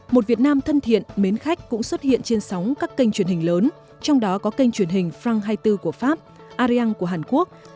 một việt nam thân thiện mến khách cũng xuất hiện trên sóng các kênh truyền hình lớn trong đó có kênh truyền hình frank hai mươi bốn của pháp ariang của hàn quốc